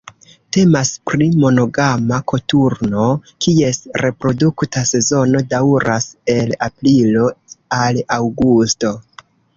Temas pri monogama koturno, kies reprodukta sezono daŭras el aprilo al aŭgusto.